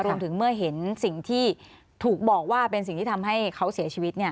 รวมถึงเมื่อเห็นสิ่งที่ถูกบอกว่าเป็นสิ่งที่ทำให้เขาเสียชีวิต